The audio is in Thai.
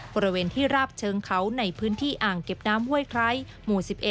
บริเวณที่ราบเชิงเขาในพื้นที่อ่างเก็บน้ำห้วยไคร้หมู่๑๑